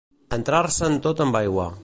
Entrar-se'n tot amb aigua.